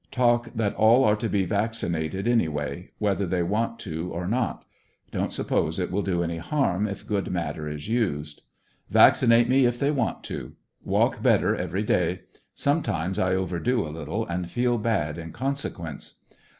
Talk that all are to be vaccinated any way, whether they want to or not. Don't suppose it will do any harm if good matter is used. Vaccinate me if they want to. Walk better every day. Sometimes I overdo a little and feel bad in consequence.